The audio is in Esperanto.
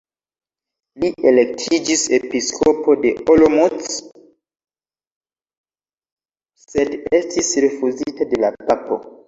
Li elektiĝis Episkopo de Olomouc sed estis rifuzita de la papo.